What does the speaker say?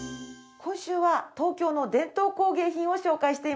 今週は東京の伝統工芸品を紹介しています。